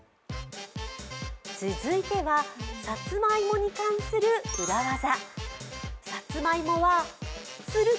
続いてはさつまいもに関する裏技。